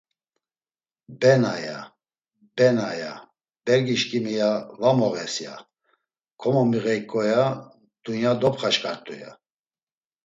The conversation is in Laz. Bena, ya; bena, ya; bergişǩimi, ya; va moğes, ya; komomiğeyǩo, ya; dunya dopxaşǩart̆u, ya.